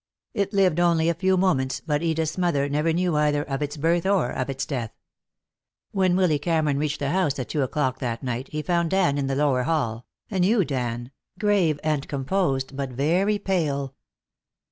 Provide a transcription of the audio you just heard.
It lived only a few moments, but Edith's mother never knew either of its birth or of its death. When Willy Cameron reached the house at two o'clock that night he found Dan in the lower hall, a new Dan, grave and composed but very pale.